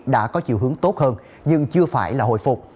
đã có chiều hướng tốt hơn nhưng chưa phải là hồi phục